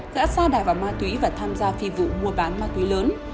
gã xa đài vào ma túy và tham gia phi vụ mua bán ma túy lớn